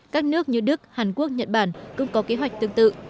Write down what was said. các nước như đức hàn quốc nhật bản cũng có kế hoạch tương tự